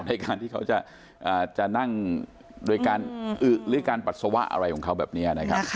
ในการที่เขาจะนั่งโดยการปัสสวะอะไรของเขาแบบนี้